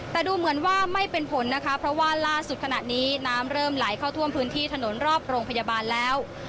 แต่ดูเหมือนว่าไม่เป็นผลนะคะเพราะว่าล่าสุดขณะนี้น้ำเริ่มไหลเข้าท่วมพื้นที่ถนนรอบโรงพยาบาลแล้ว